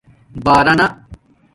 بارانہ